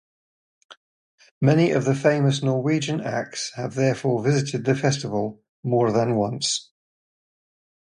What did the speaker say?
Many of the famous Norwegian acts have therefore visited the festival more than once.